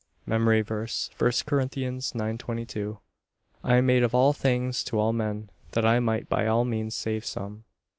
MEMORY VERSE, I Corinthians 9: 22 "I am made all things to all men, that I might by all means save some."